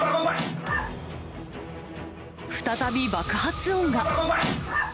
再び爆発音が。